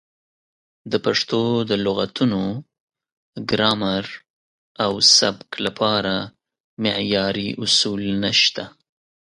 د پښتو د لغتونو، ګرامر او سبک لپاره معیاري اصول نشته.